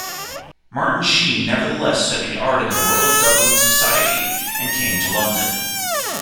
Martin Shee nevertheless studied art in the Royal Dublin Society and came to London.